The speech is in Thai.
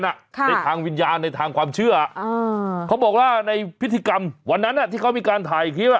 ในทางวิญญาณในทางความเชื่อเขาบอกว่าในพิธีกรรมวันนั้นที่เขามีการถ่ายคลิป